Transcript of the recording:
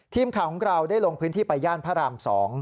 ทีมข่าวของเราได้ลงพื้นที่ไปย่านพระราม๒